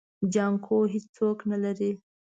جانکو هيڅوک نه لري.